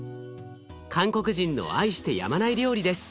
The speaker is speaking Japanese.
韓国人の愛してやまない料理です。